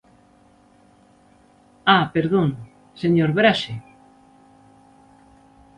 ¡Ah!, perdón, señor Braxe.